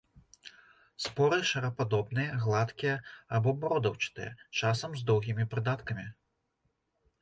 Споры шарападобныя, гладкія або бародаўчатыя, часам з доўгімі прыдаткамі.